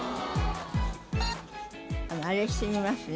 あれしてみますね。